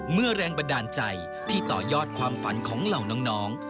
แรงบันดาลใจที่ต่อยอดความฝันของเหล่าน้อง